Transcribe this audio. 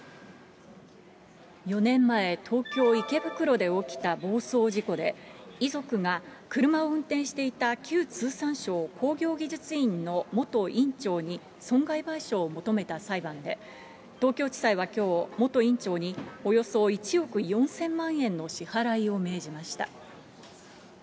４年前、東京・池袋で起きた暴走事故で、遺族が車を運転していた旧通産省工業技術院の元院長に損害賠償を求めた裁判で、東京地裁はきょう、元院長におよそ１億４０００万円の支払いを命じました。